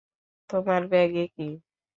তোমার ব্যাগে কী?